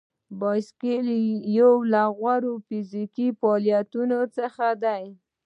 بایسکل یو له غوره فزیکي فعالیتونو څخه دی.